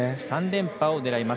３連覇を狙います。